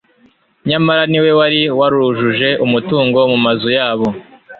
nyamara ni we wari warujuje umutungo mu mazu yabo